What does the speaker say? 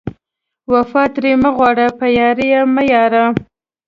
وفا ترې مه غواړه، په یارۍ یې مه ویاړه